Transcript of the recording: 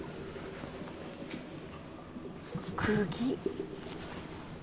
釘。